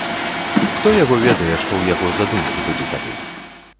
Хто яго ведае, што ў яго за думкі былі тады.